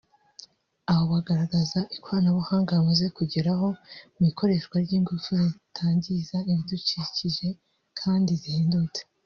aho bagaragaza ikorana buhanga bamaze kugeraho mu ikoreshwa ry’ingufu zitangiza ibidukikije kandi zihendutse